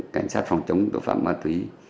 cảnh sát phòng chống tội phạm ma túy